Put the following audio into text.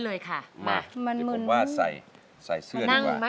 โอเค